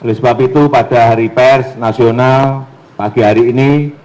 oleh sebab itu pada hari pers nasional pagi hari ini